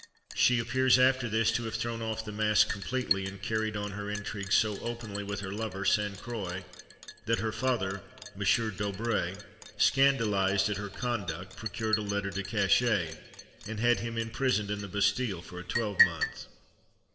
She appears, after this, to have thrown off the mask completely, and carried on her intrigues so openly with her lover, Sainte Croix, that her father, M. D'Aubray, scandalised at her conduct, procured a lettre de cachet, and had him imprisoned in the Bastille for a twelvemonth. [Illustration: THE BASTILLE.